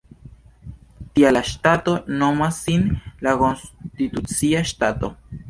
Tial la ŝtato nomas sin "La Konstitucia Ŝtato".